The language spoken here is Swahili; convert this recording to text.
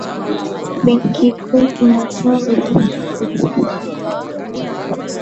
benki kuu inatoa huduma ya kuhifadhi fedha